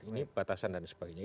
ini batasan dan sebagainya